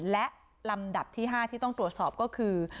และลำดับที่๕ที่ต้องตรวจสอบก็คือ